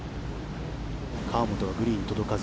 河本がグリーンに届かず。